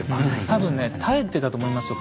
多分ね絶えてたと思いますよ